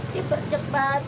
tidak tidak tidak